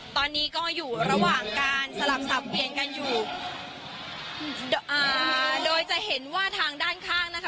ตอนนี้ก็อยู่ระหว่างการสลับสับเปลี่ยนกันอยู่อ่าโดยจะเห็นว่าทางด้านข้างนะคะ